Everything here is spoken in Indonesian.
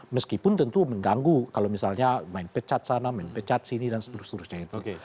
meskipun tentu mengganggu kalau misalnya main pecat sana main pecat sini dan seterusnya itu